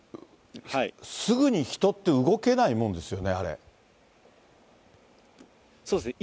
すぐに人って動けないもんですよね、そうですね。